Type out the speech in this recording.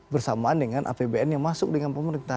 bersamaan dengan apbn yang masuk dengan pemerintah